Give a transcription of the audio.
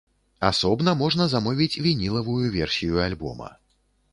Асобна можна замовіць вінілавую версію альбома.